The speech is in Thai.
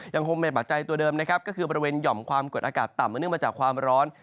ยังคงมีปัจจัยตัวเดิมนะครับก็คือบริเวณหย่อมความกดอากาศต่ำมาเนื่องมาจากความร้อน